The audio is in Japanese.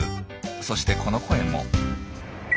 そしてこの声も。